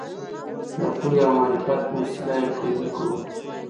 د پوهې او معرفت په وسیله یې قوي کړو.